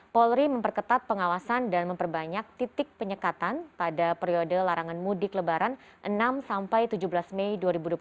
polri memperketat pengawasan dan memperbanyak titik penyekatan pada periode larangan mudik lebaran enam sampai tujuh belas mei dua ribu dua puluh tiga